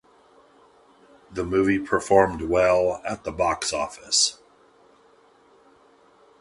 The movie performed well at the box office.